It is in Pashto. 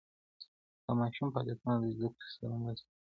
د ماشوم فعالیتونه د زده کړې سره مرسته کوي.